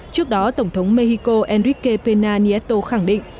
trước đó tổng thống mexico enrique pena nieto khẳng định